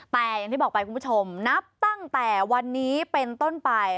แต่อย่างที่บอกไปคุณผู้ชมนับตั้งแต่วันนี้เป็นต้นไป